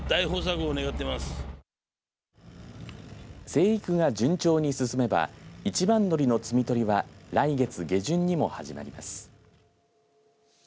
生育が順調に進めば一番のりの摘み取りは来月下旬にも始まります。